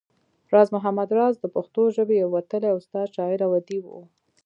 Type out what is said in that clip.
راز محمد راز د پښتو ژبې يو وتلی استاد، شاعر او اديب وو